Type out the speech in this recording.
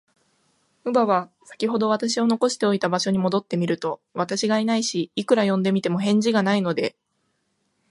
乳母は、さきほど私を残しておいた場所に戻ってみると、私がいないし、いくら呼んでみても、返事がないので、